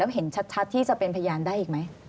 เห็นชัดที่จะเป็นพยานได้อีกไหม